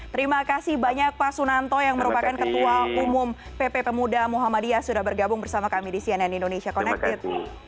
terima kasih banyak pak sunanto yang merupakan ketua umum pp pemuda muhammadiyah sudah bergabung bersama kami di cnn indonesia connected